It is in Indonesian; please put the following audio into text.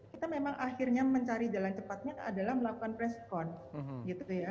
kita memang akhirnya mencari jalan cepatnya adalah melakukan press cont gitu ya